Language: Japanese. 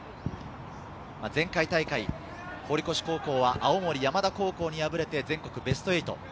前回大会、堀越高校は青森山田高校に敗れて全国ベスト８。